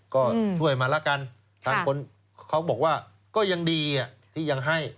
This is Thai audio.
ก็ช่วยมาแล้วกันทางคนเขาบอกว่าก็ยังดีที่ยังให้